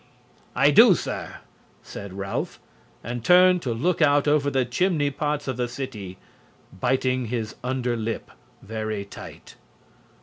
"I do, sir," said Ralph, and turned to look out over the chimney pots of the city, biting his under lip very tight.